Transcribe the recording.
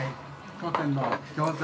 ◆当店の餃子。